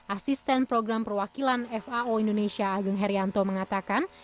asisten program perwakilan fao indonesia ageng herianto mengatakan